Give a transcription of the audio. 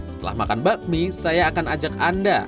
setelah makan bakmi saya akan ajak anda